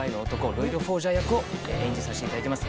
ロイド・フォージャー役を演じさせていただいています